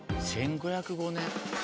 １５０５年？